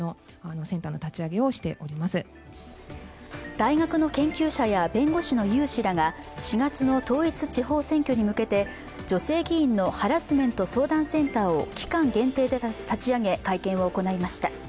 大学の研究者や弁護士の有志らが４月の統一地方選挙に向けて女性議員のハラスメント相談センターを期間限定で立ち上げ、会見を行いました。